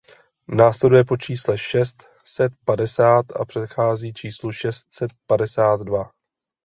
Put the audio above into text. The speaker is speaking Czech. Následuje po čísle šest set padesát a předchází číslu šest set padesát dva.